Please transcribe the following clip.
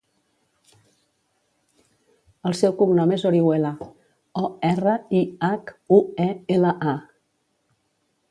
El seu cognom és Orihuela: o, erra, i, hac, u, e, ela, a.